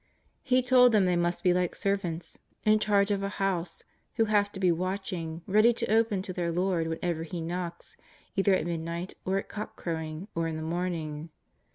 He told them they must be like servants in charge of 222 JESUS OF NAZARETH. a house who have to be watching, ready to open to their lord whenever he knocks, either at midnight, or at cockcrowing, or in the morning.